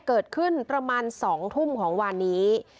เกิดขึ้นประมาณ๒ทุ่มของวันนี้